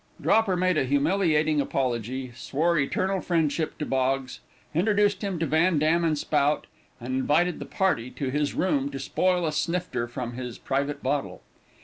Dropper made a humiliating apology, swore eternal friendship to Boggs, introduced him to Van Dam and Spout, and invited the party to his room to spoil a snifter from his private bottle.